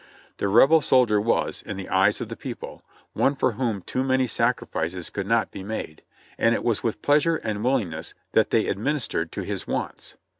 The Rebel soldier was, in the eyes of the people, one for whom too many sacrifices could not be made, and it was with pleasure and willingness that they ad ministered to his wants.